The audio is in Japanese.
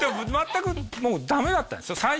まったくもうダメだったんですよ